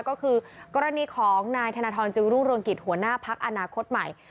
ก็คือกรณีของนายธนทรจึงรุ่งรวงกิจหัวหน้าพักอนาคตใหม่